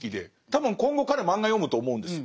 多分今後彼は漫画読むと思うんです。